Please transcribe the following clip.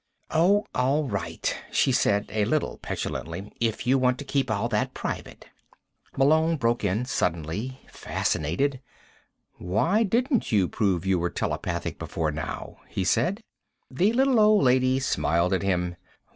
"Oh, all right," she said, a little petulantly. "If you want to keep all that private." Malone broke in suddenly, fascinated. "Why didn't you prove you were telepathic before now?" he said. The little old lady smiled at him.